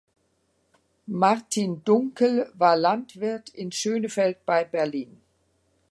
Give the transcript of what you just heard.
Martin Dunkel war Landwirt in Schönefeld bei Berlin.